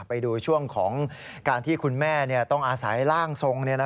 ไปดูช่วงของการที่คุณแม่ต้องอาศัยร่างทรง